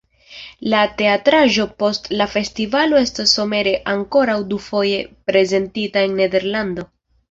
La teatraĵo post la festivalo estos somere ankoraŭ dufoje prezentita en Nederlando.